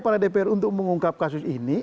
kepala dpr untuk mengungkap kasus ini